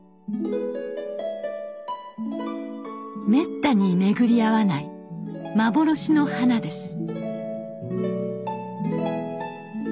めったに巡り合わない幻の花です。